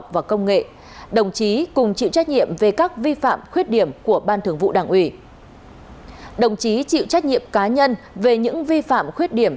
về những vi phạm khuyết điểm của ban thường vụ đảng ủy chịu trách nhiệm về những vi phạm khuyết điểm